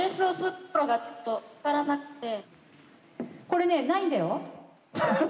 これねないんだよ。